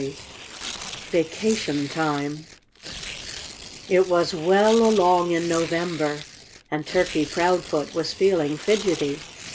XXIII VACATION TIME It was well along in November. And Turkey Proudfoot was feeling fidgetty.